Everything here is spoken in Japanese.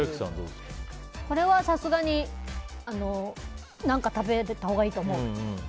これはさすがに手を付けたほうがいいと思う。